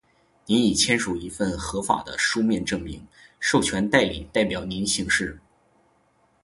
您已签署一份合法的书面声明，授权代理代表您行事。